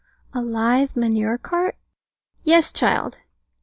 A live manure cart? Yes, child.